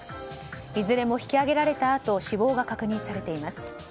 いずれも引き揚げられたあと死亡が確認されています。